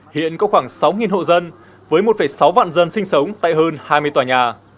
hiện có khoảng sáu hộ dân với một sáu vạn dân sinh sống tại hơn hai mươi tòa nhà